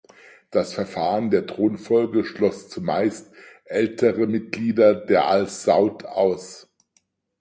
Das Verfahren der Thronfolge schloss zumeist ältere Mitglieder der "Al Saud" aus.